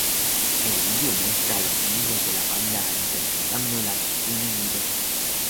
El video muestra a los miembros de la banda interpretando la canción en directo.